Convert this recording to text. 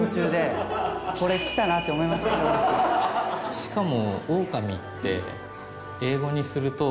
しかも。